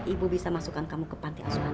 ibu bisa masukkan kamu ke panti asuhan